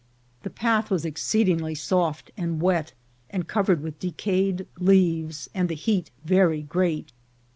The path was exceedingly soft and wet, and covered with decayed leaves, and the heat very great.